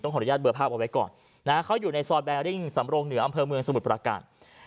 ขออนุญาตเบอร์ภาพเอาไว้ก่อนนะฮะเขาอยู่ในซอยแบริ่งสำรงเหนืออำเภอเมืองสมุทรประการ